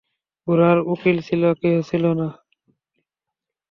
গোরার উকিল কেহ ছিল না।